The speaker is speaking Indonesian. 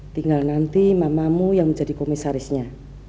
tinggal nanti mamamu yang menjadi komisarisnya